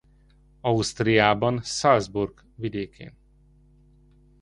Ausztriában Salzburg vidékén.